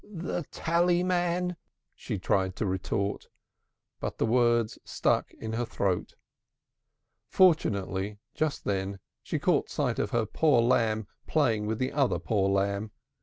"The tallyman!" she tried to retort, but the words stuck in her throat. Fortunately just then she caught sight of her poor lamb playing with the other poor lamb.